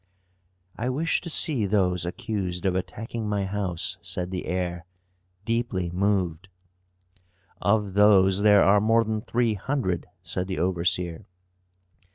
"I wish to see those accused of attacking my house," said the heir, deeply moved. "Of those there are more than three hundred," said the overseer.